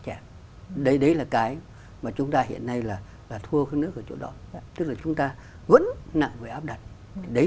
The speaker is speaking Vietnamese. trẻ đấy là cái mà chúng ta hiện nay là là thua nước ở chỗ đó tức là chúng ta vẫn nặng về áp đặt đấy